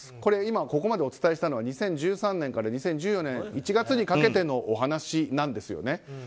ここまでお伝えしたのは２０１３年から２０１４年１月にかけてのお話なんですよね。